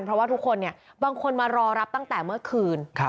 เพราะว่าทุกคนบางคนมารอรับตั้งแต่เมื่อคืน